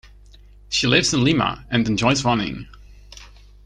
She lives in Lima and enjoys running.